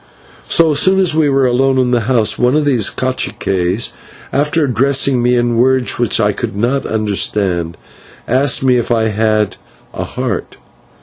So soon as we were alone in the house, one of these /caciques/, after addressing me in words which I could not understand, asked me if I had a "Heart."